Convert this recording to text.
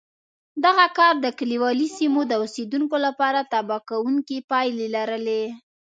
دغه کار د کلیوالي سیمو د اوسېدونکو لپاره تباه کوونکې پایلې لرلې